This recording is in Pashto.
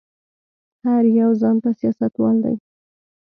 هر يو ځان ته سياستوال دی.